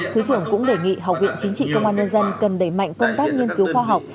thứ trưởng cũng đề nghị học viện chính trị công an nhân dân cần đẩy mạnh công tác nghiên cứu khoa học